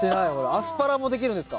アスパラもできるんですか？